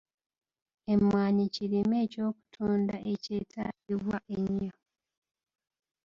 Emmwanyi kirime eky'okutunda ekyetaagibwa ennyo.